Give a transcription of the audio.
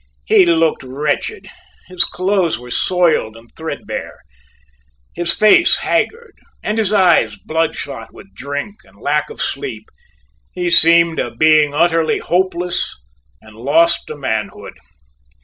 He looked wretched; his clothes were soiled and threadbare, his face haggard, and his eyes bloodshot with drink and lack of sleep; he seemed a being utterly hopeless and lost to manhood.